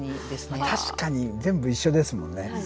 確かに全部一緒ですもんね。